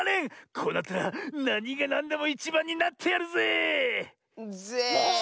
こうなったらなにがなんでもいちばんになってやるぜ。ぜ！